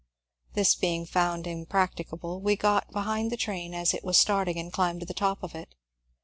This being found impractica ble, we got behind the train as it was starting and climbed to the top of it.